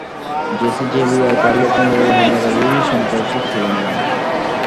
JC Javier Carlos নামে ওই হামলাকারী সন্ত্রাসী ছিলেন না।